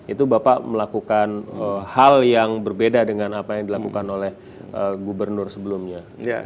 itu bapak melakukan hal yang berbeda dengan apa yang dilakukan oleh gubernur sebelumnya